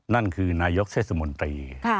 นั่นคือนายกเทศมนตรี